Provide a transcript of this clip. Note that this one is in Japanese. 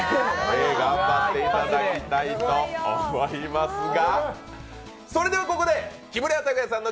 頑張っていただきたいと思いますが。